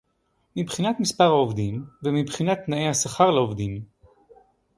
מבחינת מספר העובדים ומבחינת תנאי השכר לעובדים